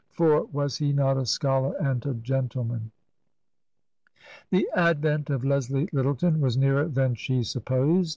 For was he not a scholar and a gentleman ? The advent of Leslie Lyttleton was nearer than she supposed.